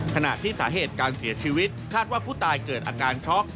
ขณะที่สาเหตุการเสียชีวิตคาดว่าผู้ตายเกิดอาการช็อก